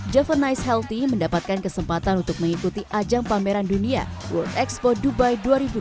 javarnize healthy mendapatkan kesempatan untuk mengikuti ajang pameran dunia world expo dubai dua ribu dua puluh